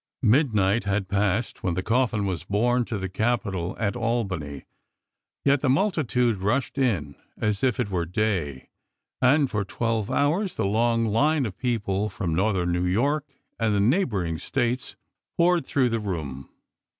Midnight had passed when the coffin was borne to the Capitol at Albany, yet the multitude rushed in as if it were day, and for twelve hours the long line of people from northern New York and the neighboring States poured through the room.